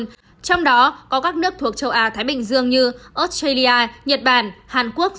trong đó có các nước thuộc châu á thái bình dương như australia nhật bản hàn quốc